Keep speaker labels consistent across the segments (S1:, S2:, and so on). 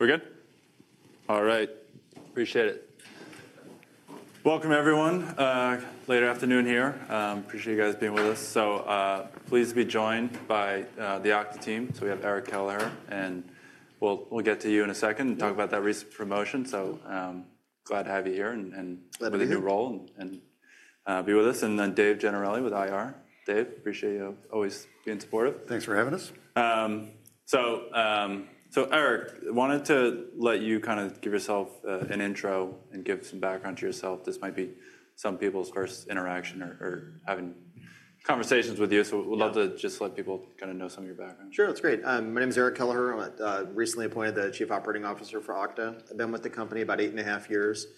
S1: We're good? All right. Appreciate it. Welcome, everyone. Late afternoon here. Appreciate you guys being with us. So please be joined by the Okta team. So we have Eric Kelleher, and we'll get to you in a second and talk about that recent promotion. So glad to have you here and with a new role and be with us. And then Dave Gennarelli with IR. Dave, appreciate you always being supportive.
S2: Thanks for having us. So Eric, I wanted to let you kind of give yourself an intro and give some background to yourself. This might be some people's first interaction or having conversations with you, so we'd love to just let people kind of know some of your background.
S3: Sure. That's great. My name is Eric Kelleher. I'm recently appointed the Chief Operating Officer for Okta. I've been with the company about eight and a half years.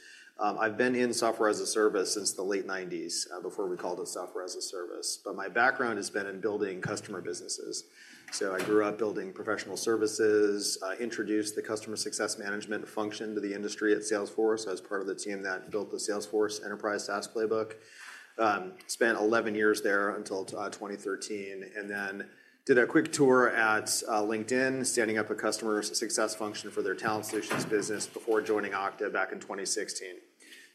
S3: I've been in software as a service since the late 1990s before we called it software as a service. But my background has been in building customer businesses. So I grew up building professional services, introduced the customer success management function to the industry at Salesforce as part of the team that built the Salesforce Enterprise SaaS Playbook. Spent 11 years there until 2013, and then did a quick tour at LinkedIn, standing up a customer success function for their talent solutions business before joining Okta back in 2016.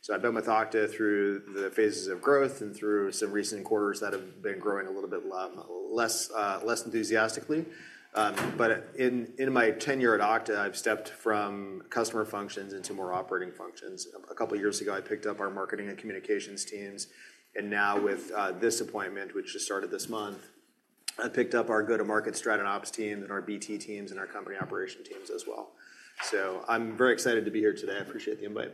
S3: So I've been with Okta through the phases of growth and through some recent quarters that have been growing a little bit less enthusiastically. But in my tenure at Okta, I've stepped from customer functions into more operating functions. A couple of years ago, I picked up our marketing and communications teams. And now with this appointment, which just started this month, I picked up our go-to-market strat and ops team and our BT teams and our company operation teams as well. So I'm very excited to be here today. I appreciate the invite.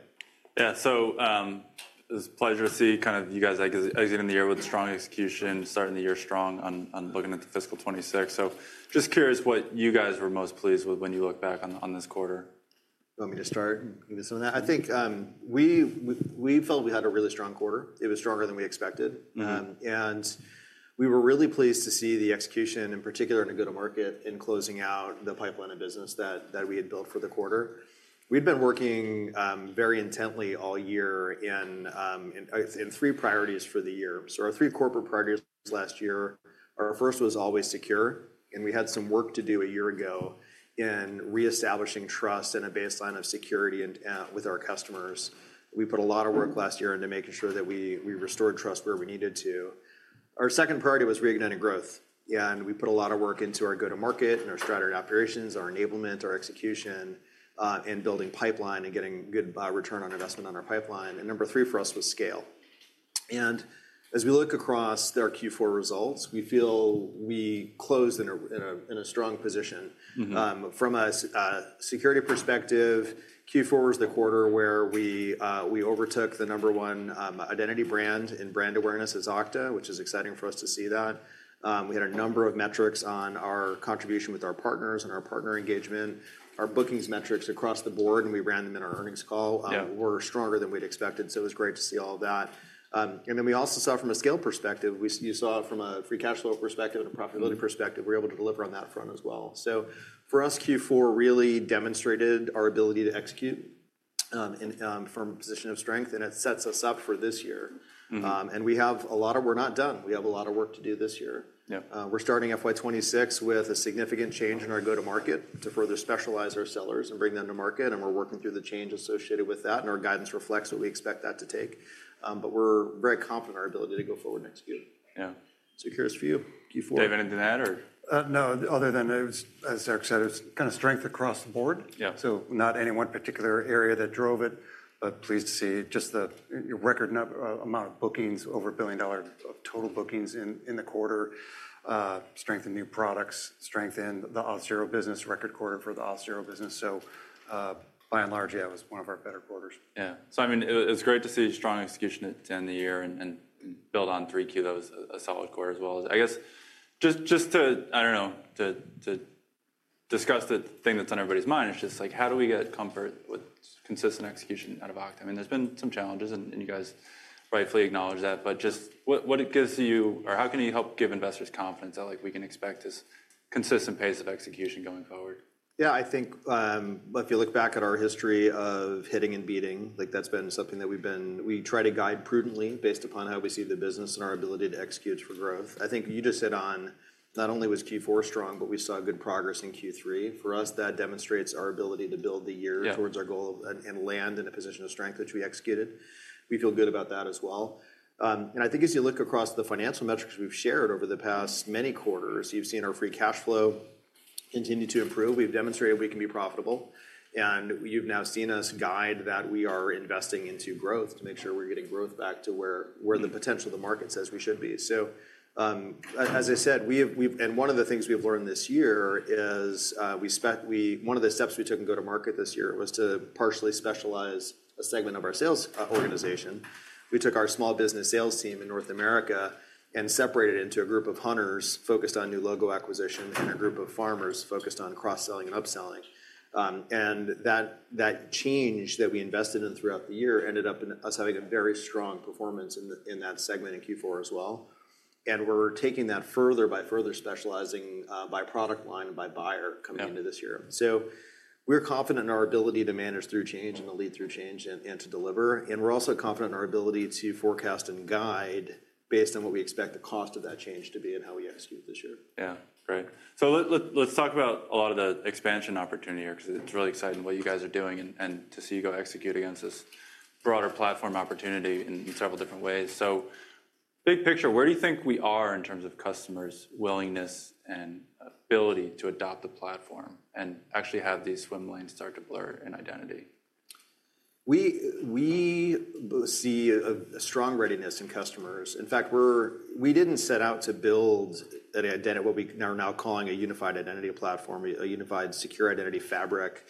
S3: Yeah. So it's a pleasure to see kind of you guys exiting the year with strong execution, starting the year strong on looking at the fiscal 2026. So just curious what you guys were most pleased with when you look back on this quarter. Let me just start and give you some of that. I think we felt we had a really strong quarter. It was stronger than we expected, and we were really pleased to see the execution, in particular in a go-to-market, in closing out the pipeline of business that we had built for the quarter. We've been working very intently all year in three priorities for the year, so our three corporate priorities last year. Our first was always secure, and we had some work to do a year ago in reestablishing trust and a baseline of security with our customers. We put a lot of work last year into making sure that we restored trust where we needed to. Our second priority was re-igniting growth. And we put a lot of work into our go-to-market and our strategy and operations, our enablement, our execution, and building pipeline and getting good return on investment on our pipeline. And number three for us was scale. And as we look across our Q4 results, we feel we closed in a strong position. From a security perspective, Q4 was the quarter where we overtook the number one identity brand and brand awareness as Okta, which is exciting for us to see that. We had a number of metrics on our contribution with our partners and our partner engagement, our bookings metrics across the board, and we ran them in our earnings call. We're stronger than we'd expected. So it was great to see all of that. And then we also saw from a scale perspective, you saw it from a free cash flow perspective and a profitability perspective, we were able to deliver on that front as well. So for us, Q4 really demonstrated our ability to execute from a position of strength, and it sets us up for this year. And we have a lot of we're not done. We have a lot of work to do this year. We're starting FY 2026 with a significant change in our go-to-market to further specialize our sellers and bring them to market. And we're working through the change associated with that, and our guidance reflects what we expect that to take. But we're very confident in our ability to go forward next year. Yeah. So curious for you, Q4. Dave, anything to add, or?
S2: No, other than as Eric said, it was kind of strength across the board, so not any one particular area that drove it, but pleased to see just the record amount of bookings, over $1 billion total bookings in the quarter, strength in new products, strength in the Auth0 business, record quarter for the Auth0 business, so by and large, yeah, it was one of our better quarters. Yeah. So I mean, it's great to see strong execution at the end of the year and build on three key levels, a solid quarter as well. I guess just to, I don't know, to discuss the thing that's on everybody's mind, it's just like, how do we get comfort with consistent execution out of Okta? I mean, there's been some challenges, and you guys rightfully acknowledge that. But just what it gives you, or how can you help give investors confidence that we can expect this consistent pace of execution going forward?
S3: Yeah, I think if you look back at our history of hitting and beating, that's been something that we try to guide prudently based upon how we see the business and our ability to execute for growth. I think you just hit on not only was Q4 strong, but we saw good progress in Q3. For us, that demonstrates our ability to build the year towards our goal and land in a position of strength which we executed. We feel good about that as well. And I think as you look across the financial metrics we've shared over the past many quarters, you've seen our free cash flow continue to improve. We've demonstrated we can be profitable. And you've now seen us guide that we are investing into growth to make sure we're getting growth back to where the potential of the market says we should be. So as I said, one of the things we've learned this year is one of the steps we took in Go-To-Market this year was to partially specialize a segment of our sales organization. We took our small business sales team in North America and separated into a group of hunters focused on new logo acquisition and a group of farmers focused on cross-selling and upselling. And that change that we invested in throughout the year ended up in us having a very strong performance in that segment in Q4 as well. And we're taking that further by further specializing by product line and by buyer coming into this year. So we're confident in our ability to manage through change and to lead through change and to deliver. We're also confident in our ability to forecast and guide based on what we expect the cost of that change to be and how we execute this year. Yeah. Great. So let's talk about a lot of the expansion opportunity here because it's really exciting what you guys are doing and to see you go execute against this broader platform opportunity in several different ways. So big picture, where do you think we are in terms of customers' willingness and ability to adopt the platform and actually have these swim lanes start to blur in identity? We see a strong readiness in customers. In fact, we didn't set out to build what we are now calling a unified identity platform, a unified secure identity fabric.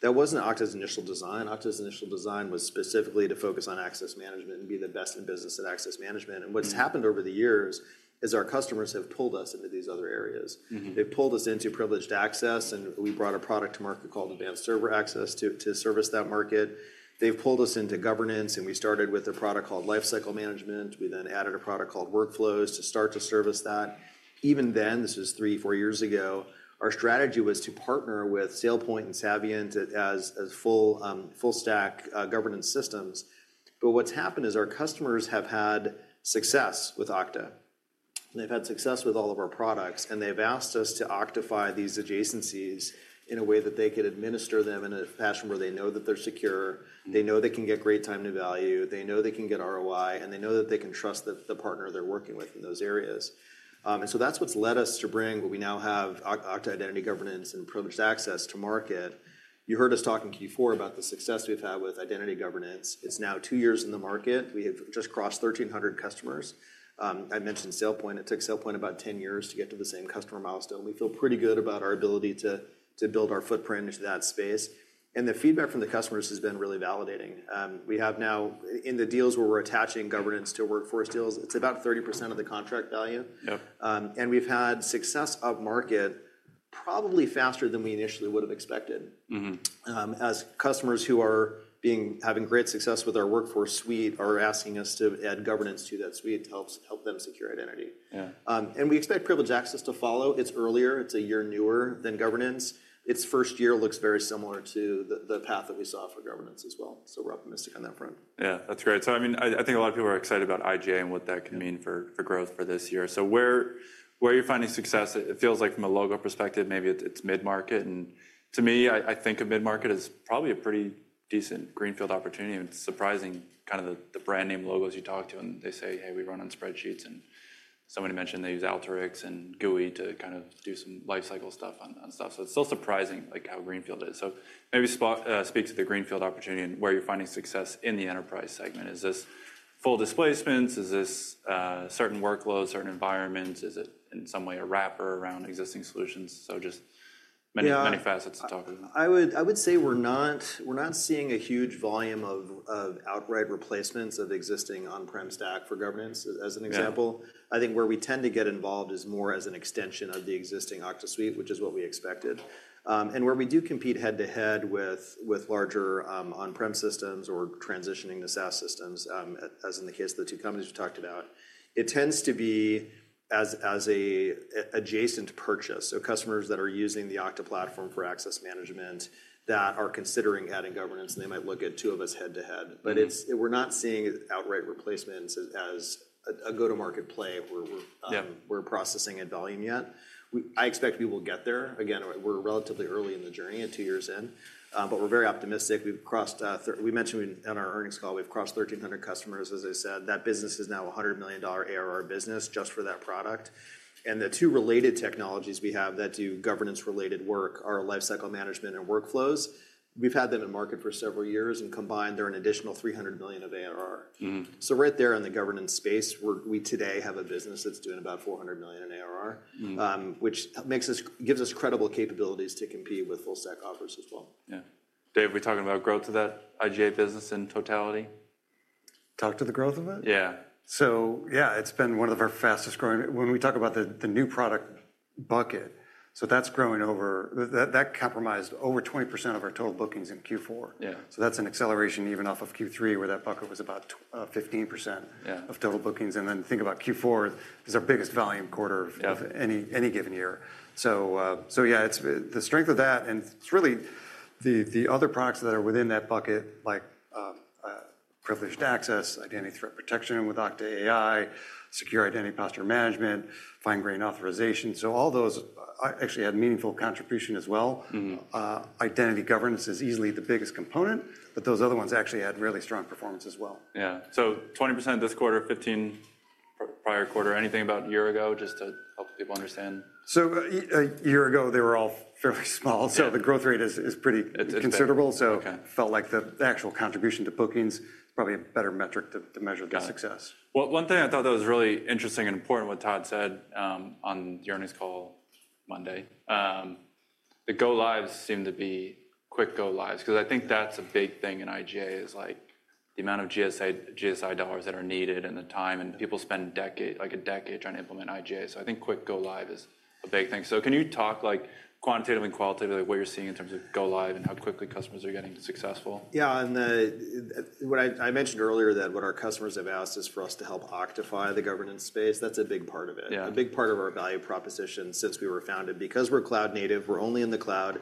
S3: That wasn't Okta's initial design. Okta's initial design was specifically to focus on access management and be the best in business at access management. And what's happened over the years is our customers have pulled us into these other areas. They've pulled us into privileged access, and we brought a product to market called Advanced Server Access to service that market. They've pulled us into governance, and we started with a product called Lifecycle Management. We then added a product called Workflows to start to service that. Even then, this was three, four years ago, our strategy was to partner with SailPoint and Saviynt as full-stack governance systems. But what's happened is our customers have had success with Okta. They've had success with all of our products, and they've asked us to Oktify these adjacencies in a way that they could administer them in a fashion where they know that they're secure, they know they can get great time to value, they know they can get ROI, and they know that they can trust the partner they're working with in those areas, and so that's what's led us to bring what we now have, Okta Identity Governance and Privileged Access to market. You heard us talk in Q4 about the success we've had with identity governance. It's now two years in the market. We have just crossed 1,300 customers. I mentioned SailPoint. It took SailPoint about 10 years to get to the same customer milestone. We feel pretty good about our ability to build our footprint into that space, and the feedback from the customers has been really validating. We have now, in the deals where we're attaching governance to workforce deals, it's about 30% of the contract value, and we've had success up market probably faster than we initially would have expected. As customers who are having great success with our workforce suite are asking us to add governance to that suite to help them secure identity, and we expect privileged access to follow. It's earlier. It's a year newer than governance. Its first year looks very similar to the path that we saw for governance as well, so we're optimistic on that front. Yeah. That's great. So I mean, I think a lot of people are excited about IGA and what that can mean for growth for this year. So where are you finding success? It feels like from a logo perspective, maybe it's mid-market. And to me, I think of mid-market as probably a pretty decent greenfield opportunity. It's surprising kind of the brand name logos you talk to, and they say, "Hey, we run on spreadsheets." And somebody mentioned they use Alteryx and Glue to kind of do some lifecycle stuff on stuff. So it's still surprising how greenfield it is. So maybe speak to the greenfield opportunity and where you're finding success in the enterprise segment. Is this full displacements? Is this certain workloads, certain environments? Is it in some way a wrapper around existing solutions? So just many facets to talk about. I would say we're not seeing a huge volume of outright replacements of existing on-prem stack for governance, as an example. I think where we tend to get involved is more as an extension of the existing Okta suite, which is what we expected, and where we do compete head-to-head with larger on-prem systems or transitioning to SaaS systems, as in the case of the two companies we talked about, it tends to be as an adjacent purchase, so customers that are using the Okta platform for access management that are considering adding governance, they might look at two of us head-to-head, but we're not seeing outright replacements as a go-to-market play we're processing at volume yet. I expect we will get there. Again, we're relatively early in the journey at two years in, but we're very optimistic. We mentioned in our earnings call we've crossed 1,300 customers, as I said. That business is now a $100 million ARR business just for that product, and the two related technologies we have that do governance-related work are Lifecycle Management and Workflows. We've had them in market for several years, and combined, they're an additional $300 million of ARR, so right there in the governance space, we today have a business that's doing about $400 million in ARR, which gives us credible capabilities to compete with full-stack offers as well. Yeah. Dave, are we talking about growth of that IGA business in totality?
S2: Talk to the growth of that? Yeah. So yeah, it's been one of our fastest growing. When we talk about the new product bucket, so that's growing over—that comprised over 20% of our total bookings in Q4. So that's an acceleration even off of Q3, where that bucket was about 15% of total bookings. And then think about Q4 as our biggest volume quarter of any given year. So yeah, the strength of that, and it's really the other products that are within that bucket, like Privileged Access, Identity Threat Protection with Okta AI, Identity Security Posture Management, Fine Grained Authorization. So all those actually had meaningful contribution as well. Identity governance is easily the biggest component, but those other ones actually had really strong performance as well. Yeah. So 20% this quarter, 15% prior quarter. Anything about a year ago, just to help people understand? So a year ago, they were all fairly small. So the growth rate is pretty considerable. So it felt like the actual contribution to bookings is probably a better metric to measure the success. Gotcha, well, one thing I thought that was really interesting and important what Todd said on the earnings call Monday, the go-lives seem to be quick go-lives because I think that's a big thing in IGA is the amount of GSI dollars that are needed and the time, and people spend a decade trying to implement IGA, so I think quick go-live is a big thing, so can you talk quantitatively and qualitatively what you're seeing in terms of go-live and how quickly customers are getting successful?
S3: Yeah. And what I mentioned earlier, that what our customers have asked is for us to help Oktify the governance space. That's a big part of it. A big part of our value proposition since we were founded. Because we're cloud-native, we're only in the cloud,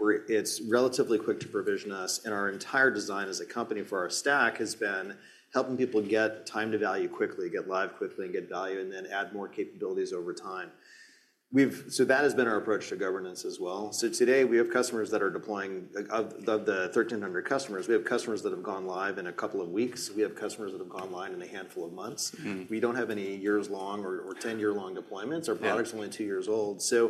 S3: it's relatively quick to provision us. And our entire design as a company for our stack has been helping people get time to value quickly, get live quickly, and get value, and then add more capabilities over time. So that has been our approach to governance as well. So today, we have customers that are deploying. Of the 1,300 customers, we have customers that have gone live in a couple of weeks. We have customers that have gone live in a handful of months. We don't have any years-long or 10-year-long deployments. Our product's only two years old. So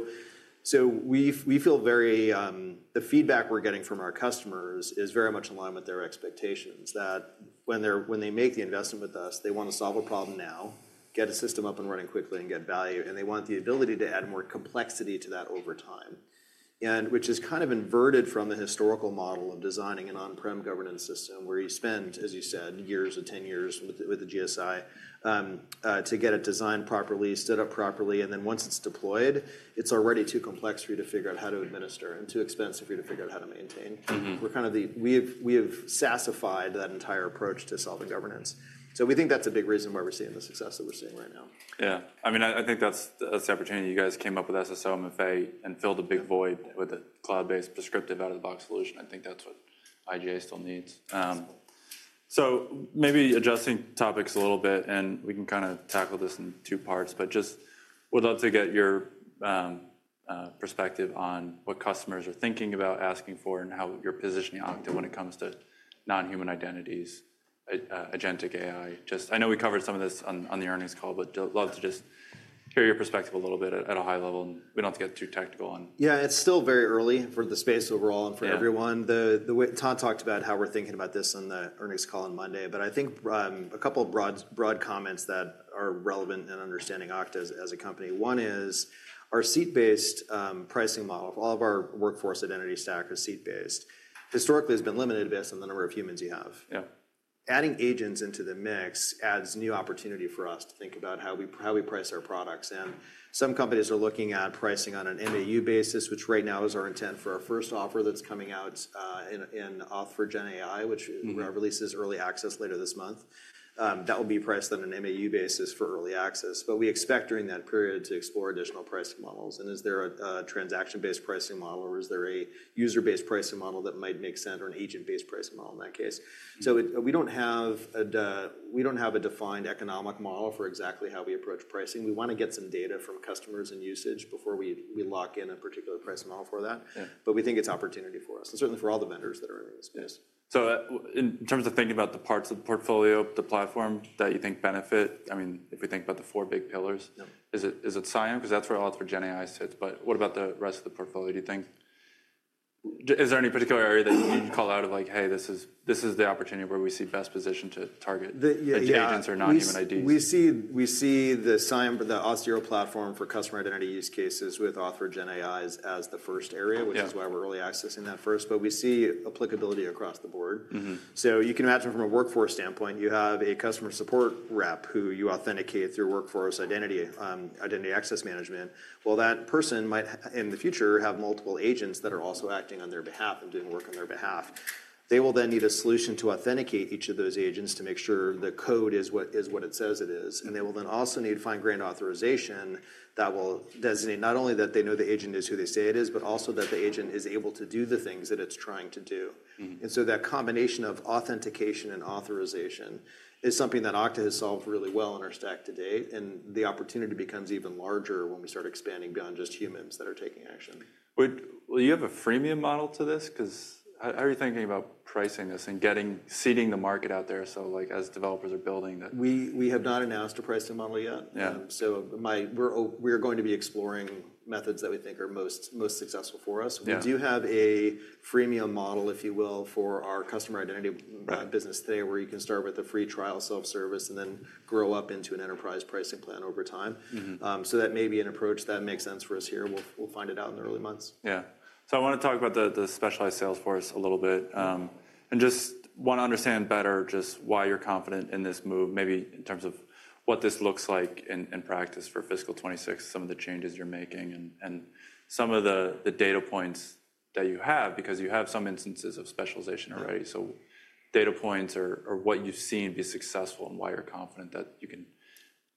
S3: we feel very, the feedback we're getting from our customers is very much in line with their expectations that when they make the investment with us, they want to solve a problem now, get a system up and running quickly, and get value. And they want the ability to add more complexity to that over time, which is kind of inverted from the historical model of designing an on-prem governance system where you spend, as you said, years or 10 years with the GSI to get it designed properly, stood up properly. And then once it's deployed, it's already too complex for you to figure out how to administer and too expensive for you to figure out how to maintain. We have SaaSified that entire approach to solving governance. So we think that's a big reason why we're seeing the success that we're seeing right now. Yeah. I mean, I think that's an opportunity you guys came up with SSO MFA and filled a big void with a cloud-based prescriptive out-of-the-box solution. I think that's what IGA still needs. So maybe adjusting topics a little bit, and we can kind of tackle this in two parts, but just would love to get your perspective on what customers are thinking about asking for and how you're positioning Okta when it comes to non-human identities, agentic AI. I know we covered some of this on the earnings call, but I'd love to just hear your perspective a little bit at a high level. We don't have to get too technical on. Yeah, it's still very early for the space overall and for everyone. Todd talked about how we're thinking about this on the earnings call on Monday, but I think a couple of broad comments that are relevant in understanding Okta as a company. One is our seat-based pricing model. All of our workforce identity stack is seat-based. Historically, it's been limited based on the number of humans you have. Adding agents into the mix adds new opportunity for us to think about how we price our products, and some companies are looking at pricing on an MAU basis, which right now is our intent for our first offer that's coming out in Auth for GenAI, which releases early access later this month. That will be priced on an MAU basis for early access, but we expect during that period to explore additional pricing models. And is there a transaction-based pricing model, or is there a user-based pricing model that might make sense, or an agent-based pricing model in that case? So we don't have a defined economic model for exactly how we approach pricing. We want to get some data from customers and usage before we lock in a particular pricing model for that. But we think it's opportunity for us, and certainly for all the vendors that are in this space. So, in terms of thinking about the parts of the portfolio, the platform that you think benefit, I mean, if we think about the four big pillars, is it CIAM? Because that's where all of Gen AI sits. But what about the rest of the portfolio, do you think? Is there any particular area that you'd call out, like, "Hey, this is the opportunity where we see best position to target agents or non-human IDs"? We see the CIAM, the Auth0 platform for customer identity use cases with Auth for GenAI as the first area, which is why we're early accessing that first, but we see applicability across the board, so you can imagine from a workforce standpoint, you have a customer support rep who you authenticate through workforce identity access management, well, that person might in the future have multiple agents that are also acting on their behalf and doing work on their behalf. They will then need a solution to authenticate each of those agents to make sure the code is what it says it is, and they will then also need fine-grained authorization that will designate not only that they know the agent is who they say it is, but also that the agent is able to do the things that it's trying to do. That combination of authentication and authorization is something that Okta has solved really well in our stack today. The opportunity becomes even larger when we start expanding beyond just humans that are taking action. Well, do you have a premium model to this? Because how are you thinking about pricing this and seeding the market out there? So as developers are building that. We have not announced a pricing model yet. So we're going to be exploring methods that we think are most successful for us. We do have a freemium model, if you will, for our customer identity business today, where you can start with a free trial, self-service and then grow up into an enterprise pricing plan over time. So that may be an approach that makes sense for us here. We'll find it out in the early months. Yeah. I want to talk about the specialized sales force a little bit and just want to understand better just why you're confident in this move, maybe in terms of what this looks like in practice for fiscal 26, some of the changes you're making, and some of the data points that you have, because you have some instances of specialization already. Data points or what you've seen be successful and why you're confident that you can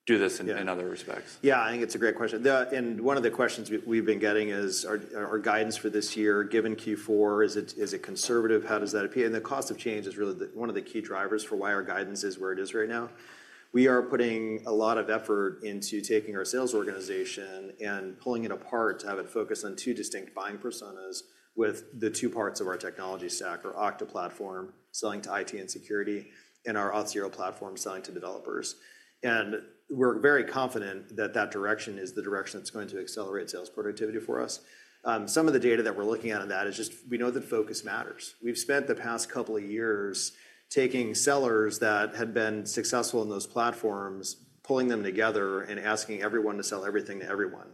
S3: do this in other respects. Yeah, I think it's a great question. And one of the questions we've been getting is our guidance for this year, given Q4, is it conservative? How does that appear? And the cost of change is really one of the key drivers for why our guidance is where it is right now. We are putting a lot of effort into taking our sales organization and pulling it apart to have it focus on two distinct buying personas with the two parts of our technology stack, our Okta platform selling to IT and security and our Auth0 platform selling to developers. And we're very confident that that direction is the direction that's going to accelerate sales productivity for us. Some of the data that we're looking at on that is just we know that focus matters. We've spent the past couple of years taking sellers that had been successful in those platforms, pulling them together and asking everyone to sell everything to everyone,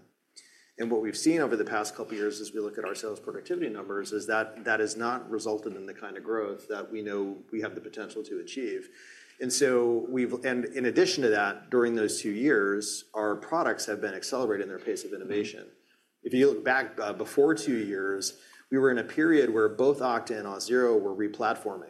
S3: and what we've seen over the past couple of years as we look at our sales productivity numbers is that that has not resulted in the kind of growth that we know we have the potential to achieve, and in addition to that, during those two years, our products have been accelerating their pace of innovation. If you look back before two years, we were in a period where both Okta and Auth0 were replatforming.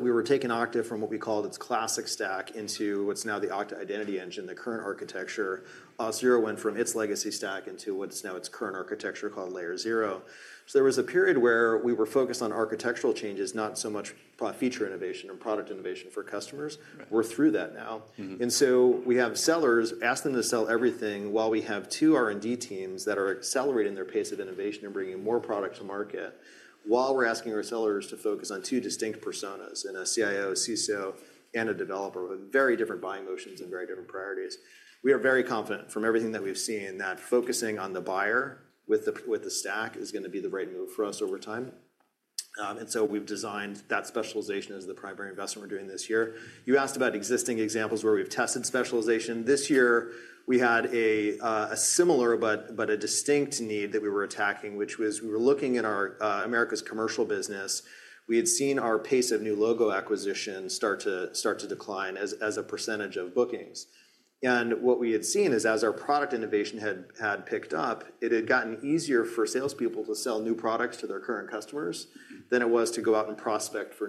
S3: We were taking Okta from what we called its classic stack into what's now the Okta Identity Engine, the current architecture. Auth0 went from its legacy stack into what's now its current architecture called Layer0. So there was a period where we were focused on architectural changes, not so much feature innovation and product innovation for customers. We're through that now. And so we have sellers, ask them to sell everything while we have two R&D teams that are accelerating their pace of innovation and bringing more product to market while we're asking our sellers to focus on two distinct personas in a CIO, CISO, and a developer with very different buying motions and very different priorities. We are very confident from everything that we've seen that focusing on the buyer with the stack is going to be the right move for us over time. And so we've designed that specialization as the primary investment we're doing this year. You asked about existing examples where we've tested specialization. This year, we had a similar but a distinct need that we were attacking, which was we were looking at America's commercial business. We had seen our pace of new logo acquisition start to decline as a percentage of bookings. And what we had seen is as our product innovation had picked up, it had gotten easier for salespeople to sell new products to their current customers than it was to go out and prospect for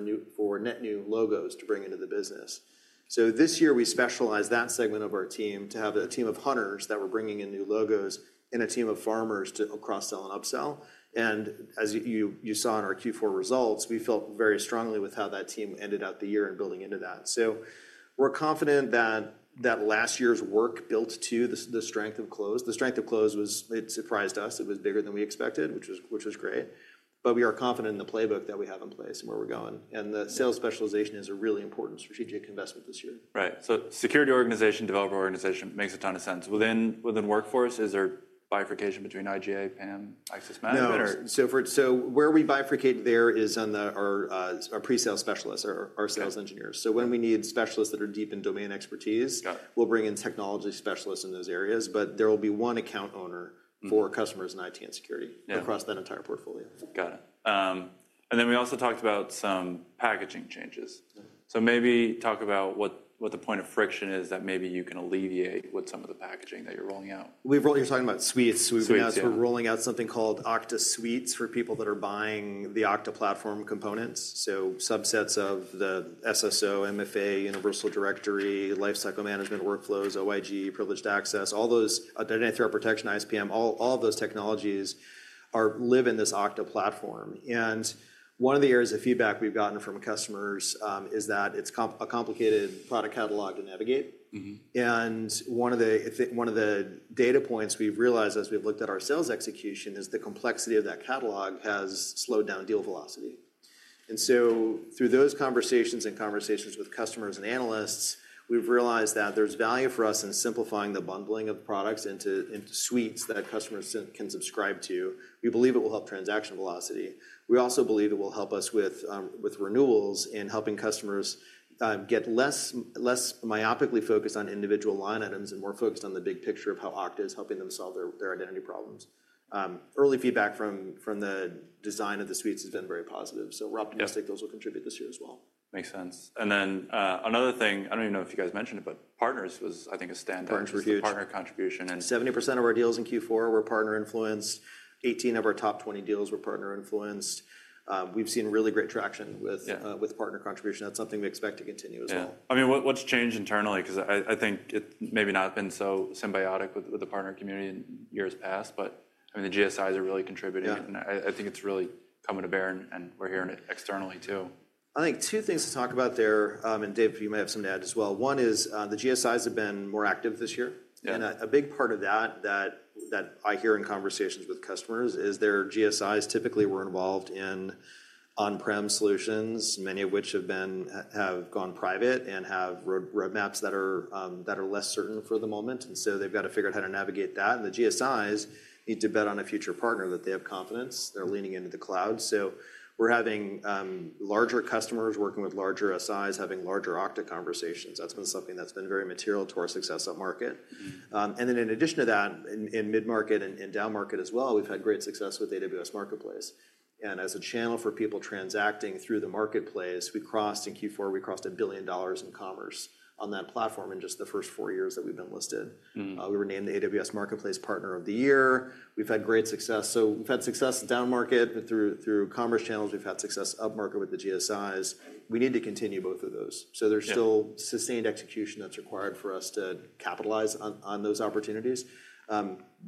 S3: net new logos to bring into the business. So this year, we specialized that segment of our team to have a team of hunters that were bringing in new logos and a team of farmers to cross-sell and upsell. And as you saw in our Q4 results, we felt very strongly with how that team ended out the year and building into that. So we're confident that last year's work built to the strength of close. The strength of close surprised us. It was bigger than we expected, which was great, but we are confident in the playbook that we have in place and where we're going, and the sales specialization is a really important strategic investment this year. Right. So security organization, developer organization makes a ton of sense. Within workforce, is there bifurcation between IGA, PAM, Access Management? No. So where we bifurcate there is our presale specialists, our sales engineers. So when we need specialists that are deep in domain expertise, we'll bring in technology specialists in those areas. But there will be one account owner for customers in IT and security across that entire portfolio. Got it. And then we also talked about some packaging changes. So maybe talk about what the point of friction is that maybe you can alleviate with some of the packaging that you're rolling out. You're talking about suites. We've been out. Suites. We're rolling out something called Okta Suites for people that are buying the Okta platform components, so subsets of the SSO, MFA, Universal Directory, Lifecycle Management, Workflows, OIG, Privileged Access, all those Identity Threat Protection, ISPM, all of those technologies live in this Okta platform, and one of the areas of feedback we've gotten from customers is that it's a complicated product catalog to navigate, and one of the data points we've realized as we've looked at our sales execution is the complexity of that catalog has slowed down deal velocity, and so through those conversations and conversations with customers and analysts, we've realized that there's value for us in simplifying the bundling of products into suites that customers can subscribe to. We believe it will help transaction velocity. We also believe it will help us with renewals and helping customers get less myopically focused on individual line items and more focused on the big picture of how Okta is helping them solve their identity problems. Early feedback from the design of the suites has been very positive. So we're optimistic those will contribute this year as well. Makes sense. And then another thing, I don't even know if you guys mentioned it, but partners was, I think, a standout. Partners were huge. Partner contribution. 70% of our deals in Q4 were partner influenced. 18 of our top 20 deals were partner influenced. We've seen really great traction with partner contribution. That's something we expect to continue as well. I mean, what's changed internally? Because I think it may not have been so symbiotic with the partner community in years past, but I mean, the GSIs are really contributing, and I think it's really coming to bear, and we're hearing it externally too. I think two things to talk about there. And Dave, you might have something to add as well. One is the GSIs have been more active this year. And a big part of that that I hear in conversations with customers is their GSIs typically were involved in on-prem solutions, many of which have gone private and have roadmaps that are less certain for the moment. And so they've got to figure out how to navigate that. And the GSIs need to bet on a future partner that they have confidence. They're leaning into the cloud. So we're having larger customers working with larger SIs, having larger Okta conversations. That's been something that's been very material to our success at market. And then in addition to that, in mid-market and down-market as well, we've had great success with AWS Marketplace. As a channel for people transacting through the marketplace, we crossed in Q4, we crossed $1 billion in commerce on that platform in just the first four years that we've been listed. We were named the AWS Marketplace Partner of the Year. We've had great success. We've had success down-market through commerce channels. We've had success up-market with the GSIs. We need to continue both of those. There's still sustained execution that's required for us to capitalize on those opportunities.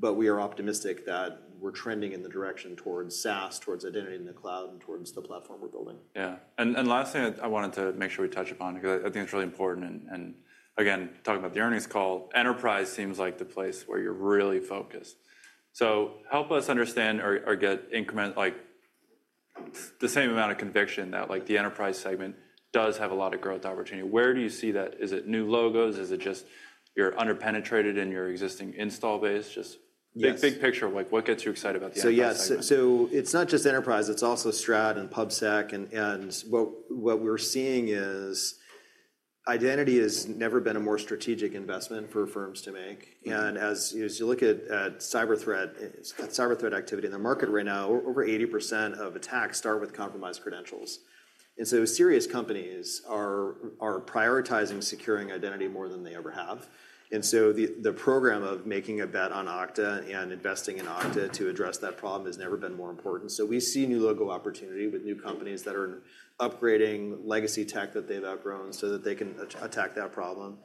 S3: We are optimistic that we're trending in the direction towards SaaS, towards identity in the cloud, and towards the platform we're building. Yeah. And the last thing I wanted to make sure we touch upon, because I think it's really important. And again, talking about the earnings call, enterprise seems like the place where you're really focused. So help us understand or get the same amount of conviction that the enterprise segment does have a lot of growth opportunity. Where do you see that? Is it new logos? Is it just you're underpenetrated in your existing install base? Just big picture of what gets you excited about the enterprise side. So yes. So it's not just enterprise. It's also Strat and PubSec. And what we're seeing is identity has never been a more strategic investment for firms to make. And as you look at cyber threat activity in the market right now, over 80% of attacks start with compromised credentials. And so serious companies are prioritizing securing identity more than they ever have. And so the program of making a bet on Okta and investing in Okta to address that problem has never been more important. So we see new logo opportunity with new companies that are upgrading legacy tech that they've outgrown so that they can attack that problem.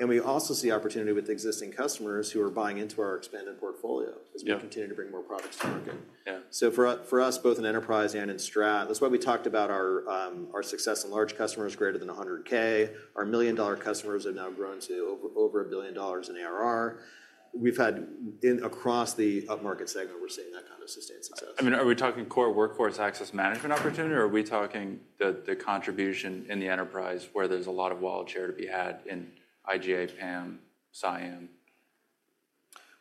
S3: And we also see opportunity with existing customers who are buying into our expanded portfolio as we continue to bring more products to market. For us, both in enterprise and in Strat, that's why we talked about our success in large customers, greater than 100K. Our million-dollar customers have now grown to over $1 billion in ARR. We've had across the up-market segment, we're seeing that kind of sustained success. I mean, are we talking core workforce access management opportunity, or are we talking the contribution in the enterprise where there's a lot of white space to be had in IGA, PAM, CIAM?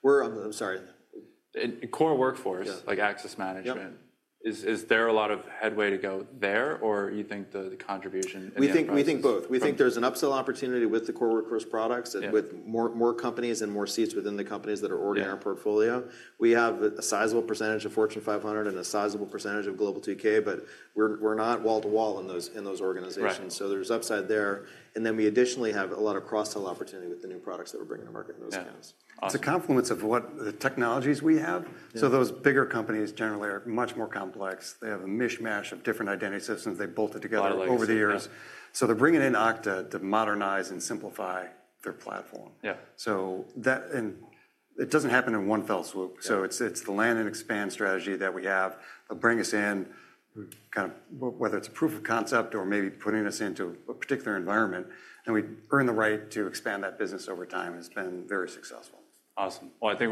S3: I'm sorry. Core workforce, like access management. Is there a lot of headway to go there, or you think the contribution in that area? We think both. We think there's an upsell opportunity with the core workforce products and with more companies and more seats within the companies that are already in our portfolio. We have a sizable percentage of Fortune 500 and a sizable percentage of Global 2K, but we're not wall to wall in those organizations, so there's upside there, and then we additionally have a lot of cross-sell opportunity with the new products that we're bringing to market in those accounts. Awesome.
S2: It's a confluence of the technologies we have. So those bigger companies generally are much more complex. They have a mishmash of different identity systems. They've bolted together over the years. So they're bringing in Okta to modernize and simplify their platform. So it doesn't happen in one fell swoop. So it's the land and expand strategy that we have that brings us in, kind of whether it's a proof of concept or maybe putting us into a particular environment, and we earn the right to expand that business over time and it's been very successful. Awesome. Well, I think.